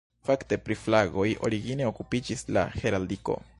Fakte pri flagoj origine okupiĝis la heraldiko.